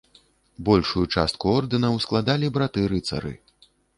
Большую частку ордэнаў складалі браты-рыцары.